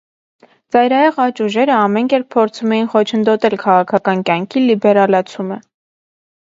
Ծայրահեղ աջ ուժերը ամեն կերպ փորձում էին խոչընդոտել քաղաքական կյանքի լիբերալացումը։